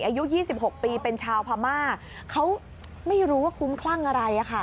อายุ๒๖ปีเป็นชาวพม่าเขาไม่รู้ว่าคุ้มคลั่งอะไร